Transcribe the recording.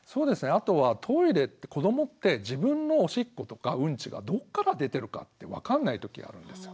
あとはトイレって子どもって自分のおしっことかうんちがどっこから出てるかって分かんない時があるんですよ。